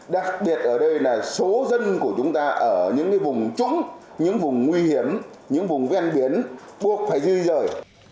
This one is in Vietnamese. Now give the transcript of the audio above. đặc biệt ở đây là số dân của chúng ta ở những vùng trũng những vùng nguy hiểm những vùng ven biển buộc phải di rời